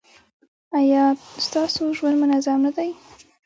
ایا ستاسو ژوند منظم نه دی؟